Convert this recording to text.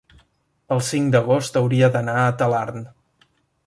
el cinc d'agost hauria d'anar a Talarn.